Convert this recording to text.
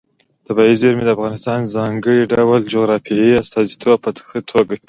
طبیعي زیرمې د افغانستان د ځانګړي ډول جغرافیې استازیتوب په ښه توګه کوي.